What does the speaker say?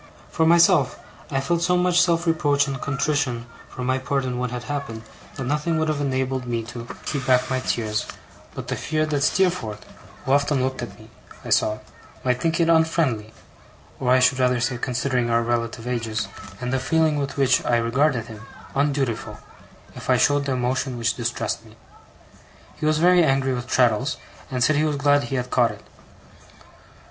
For myself, I felt so much self reproach and contrition for my part in what had happened, that nothing would have enabled me to keep back my tears but the fear that Steerforth, who often looked at me, I saw, might think it unfriendly or, I should rather say, considering our relative ages, and the feeling with which I regarded him, undutiful if I showed the emotion which distressed me. He was very angry with Traddles, and said he was glad he had caught it.